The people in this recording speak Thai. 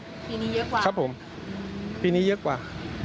ปีนี้เยอะกว่าครับผมปีนี้เยอะกว่า